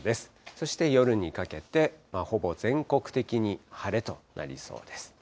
そして夜にかけて、ほぼ全国的に晴れとなりそうです。